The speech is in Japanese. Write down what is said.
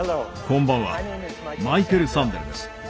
こんばんはマイケル・サンデルです。